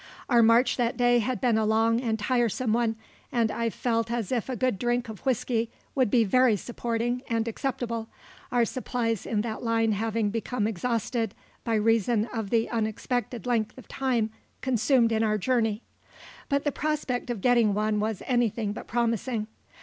Our march that day had been a long and tiresome one, and I felt as if a good drink of whisky would be very supporting and acceptable, our supplies in that line having become exhausted by reason of the unexpected length of time consumed in our journey; but the prospect of getting one was anything but promising.